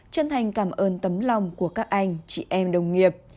chân thành cảm ơn tấm lòng của các anh chị em đồng nghiệp